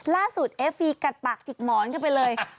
ล่าสุดอีฟฟีกัดปากจิกหมอนไปเลย